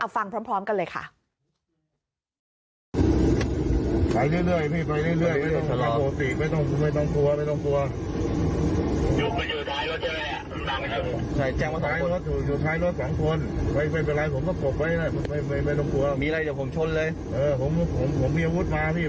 ฟังพร้อมกันเลยค่ะ